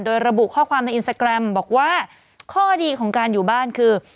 โดยระบุข้อความในอินสตาแกรมบอกว่าข้อดีของการอยู่บ้านคือ